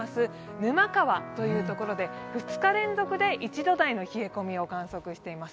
沼川というところで、２日連続で１度台の冷え込みを観測しています。